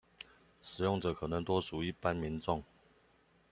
使用者可能多屬一般民眾